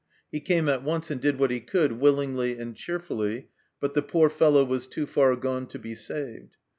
He came at once and did what he could willingly and cheerfully, but the poor fellow was too far gone to be saved.